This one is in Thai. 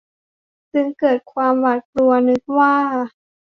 จึงเกิดความหวาดกลัวนึกว่า